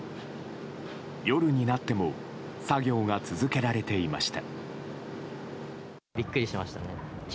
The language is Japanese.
夜になっても作業が続けられていました。